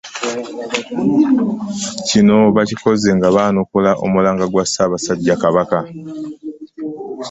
Kino baakikoze nga baanukula omulanga gwa ssaabasajja Kabaka